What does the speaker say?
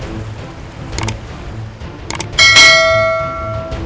yah pak rt